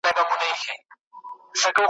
څنګه دزړه حال درته بیان کړمه